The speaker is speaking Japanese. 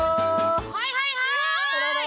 はいはいはい！